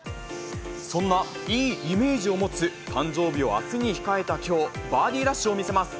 そんないいイメージを持つ誕生日をあすに控えたきょう、バーディーラッシュを見せます。